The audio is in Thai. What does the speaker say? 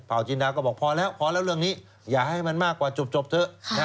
จินดาก็บอกพอแล้วพอแล้วเรื่องนี้อย่าให้มันมากกว่าจบเถอะ